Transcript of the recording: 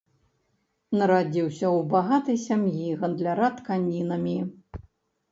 Нарадзіўся ў багатай сям'і гандляра тканінамі.